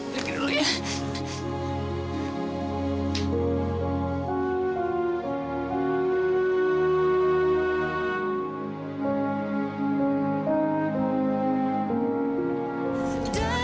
berkiri dulu ya